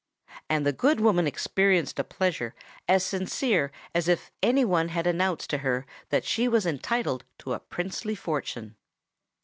And the good woman experienced a pleasure as sincere as if any one had announced to her that she was entitled to a princely fortune.